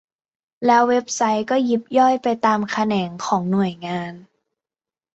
แล้วเว็บไซต์ก็ยิบย่อยไปตามแขนงของหน่วยงาน